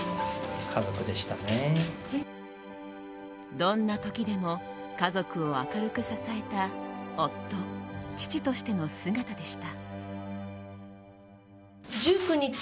どんな時でも家族を明るく支えた夫父としての姿でした。